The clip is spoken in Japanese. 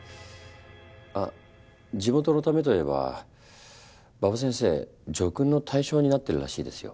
あっ地元のためといえば馬場先生叙勲の対象になってるらしいですよ。